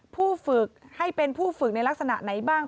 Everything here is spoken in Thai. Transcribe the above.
ผู้ฝึกให้เป็นผู้ฝึกในลักษณะไหนบ้าง